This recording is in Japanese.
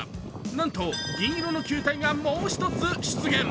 なんと銀色の球体がもうひとつ出現。